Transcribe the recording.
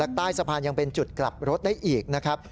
ใต้สะพานยังเป็นจุดกลับรถได้อีกนะครับ